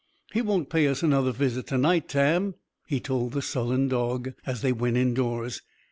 "He won't pay us another visit to night, Tam," he told the sullen dog, as they went indoors.